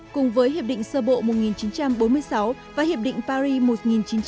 cùng với hiệp định sơ bộ một nghìn chín trăm bốn mươi sáu và hiệp định paris một nghìn chín trăm bảy mươi năm